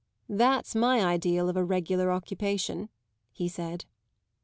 "That's my ideal of a regular occupation," he said.